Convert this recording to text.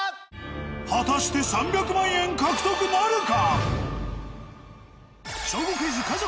果たして３００万円獲得なるか？